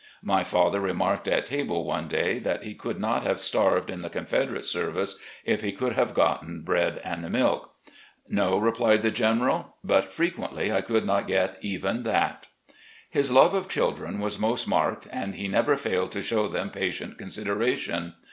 My father remarked at table one day that he could not have starved in the Confederate service if he could have gotten bread and milk. " 'No,' replied the General, 'but frequently I could not get even that.' " His love of children was most marked, and he never failed to show them patient consideration.